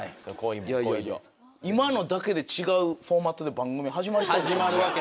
今のだけで違うフォーマットで番組始まりそうですよね。